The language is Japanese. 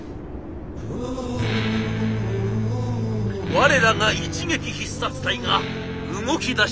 我らが一撃必殺隊が動き出しました。